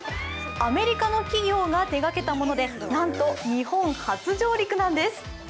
アメリカの企業が手がけたものでなんと日本初上陸なんです。